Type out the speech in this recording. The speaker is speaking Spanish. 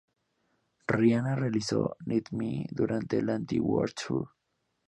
Rihanna realizó "Needed Me" durante el Anti World Tour.